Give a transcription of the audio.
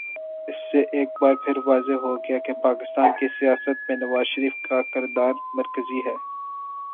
اس سے ایک بارپھر واضح ہو گیا کہ پاکستان کی سیاست میں نوازشریف کا کردار مرکزی ہے۔